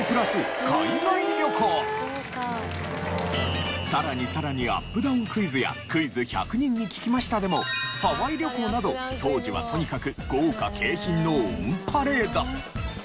なんとさらにさらに『アップダウンクイズ』や『クイズ１００人に聞きました』でもハワイ旅行など当時はとにかく豪華景品のオンパレード。